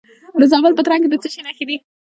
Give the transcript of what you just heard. د زابل په ترنک کې د څه شي نښې دي؟